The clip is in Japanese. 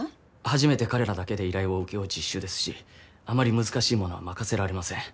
初めて彼らだけで依頼を請け負う実習ですしあまり難しいものは任せられません。